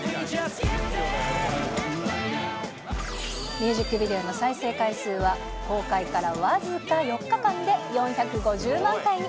ミュージックビデオの再生回数は、公開から僅か４日間で、４５０万回に。